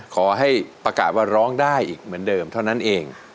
ขอให้ประกาศว่าร้องได้อีกเหมือนเดิมเท่านั้นเอง